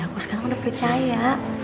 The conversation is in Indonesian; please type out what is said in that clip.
aku sekarang udah percaya